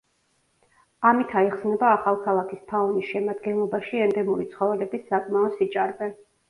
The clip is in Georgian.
ამით აიხსნება ახალქალაქის ფაუნის შემადგენლობაში ენდემური ცხოველების საკმაო სიჭარბე.